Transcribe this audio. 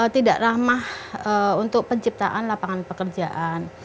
tidak ramah untuk penciptaan lapangan pekerjaan